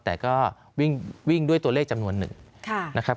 แต่ก็วิ่งด้วยตัวเลขจำนวนหนึ่งนะครับ